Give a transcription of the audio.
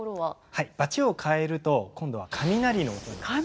はいバチを替えると今度は雷の音になりました。